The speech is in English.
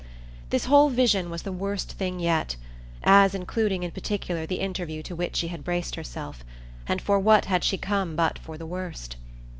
This whole vision was the worst thing yet as including in particular the interview to which she had braced herself; and for what had she come but for the worst?